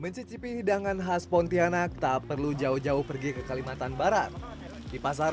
mencicipi hidangan khas pontianak tak perlu jauh jauh pergi ke kalimantan barat di pasar